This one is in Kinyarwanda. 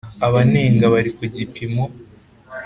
Abanenga bari ku gipimo